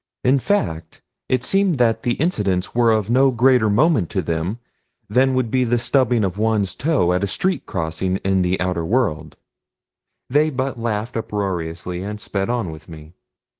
In fact, it seemed that the incidents were of no greater moment to them than would be the stubbing of one's toe at a street crossing in the outer world they but laughed uproariously and sped on with me.